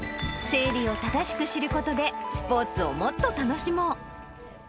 生理を正しく知ることで、スポーツをもっと楽しもう。